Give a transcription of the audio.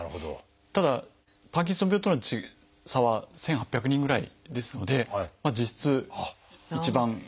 ただパーキンソン病との差は１，８００人ぐらいですので実質一番。